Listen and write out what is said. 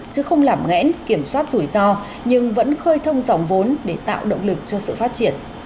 chứ không làm ngẽn kiểm soát rủi ro nhưng vẫn khơi thông dòng vốn để tạo động lực cho sự phát triển